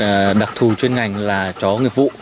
đối với đặc thù chuyên ngành là chó nghiệp vụ